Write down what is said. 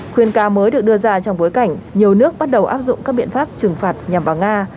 khuyên cáo mới được đưa ra trong bối cảnh nhiều nước bắt đầu áp dụng các biện pháp trừng phạt nhằm vào nga